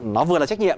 nó vừa là trách nhiệm